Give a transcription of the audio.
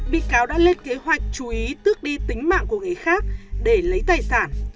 bị cáo đã lên kế hoạch chú ý tước đi tính mạng của người khác để lấy tài sản